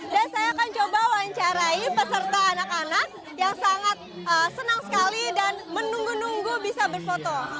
dan saya akan coba wawancarai peserta anak anak yang sangat senang sekali dan menunggu nunggu bisa berfoto